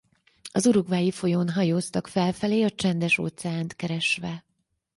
Az Uruguay folyón hajóztak felfelé a Csendes-óceánt keresve.